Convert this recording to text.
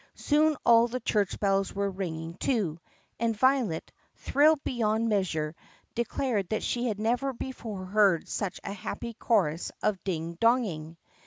Soon all the church bells were ringing, too, and Violet, thrilled beyond measure, declared that she had never before heard such a happy chorus of ding donging.